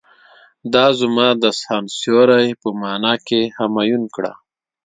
دا زما د سخن سيوری په معنی کې همایون کړه.